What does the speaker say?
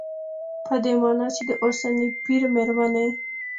په دې مانا چې د اوسني پېر مېرمنې